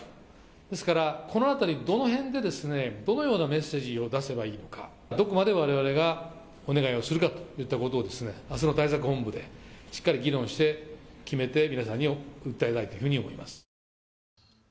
ですからどの辺で、どのようなメッセージを出せばいいのかどこまでわれわれがお願いをするかといったことをあすの対策本部でしっかり議論して決めて、皆さんに訴えたいというふうに思います。